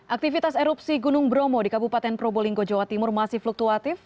aktivitas erupsi gunung bromo di kabupaten probolinggo jawa timur masih fluktuatif